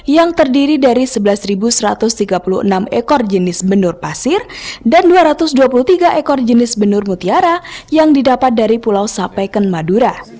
yang terdiri dari sebelas satu ratus tiga puluh enam ekor jenis benur pasir dan dua ratus dua puluh tiga ekor jenis benur mutiara yang didapat dari pulau sapeken madura